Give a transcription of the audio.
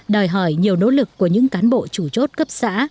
đòi hỏi nhiều nỗ lực của những cán bộ chủ chốt cấp xã